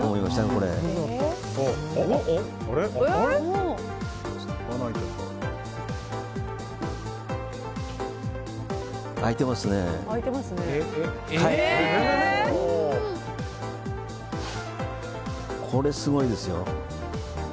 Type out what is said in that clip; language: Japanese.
これ、すごいですよ。